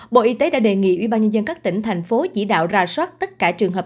bộ y tế đã đề nghị ubnd các tỉnh thành phố chỉ đạo ra soát tất cả trường hợp